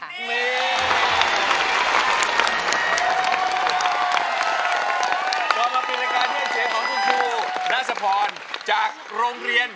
ต่อมาปริศนาคารเท่าไหร่ของคุณครูนาศพรจากโรงเรียน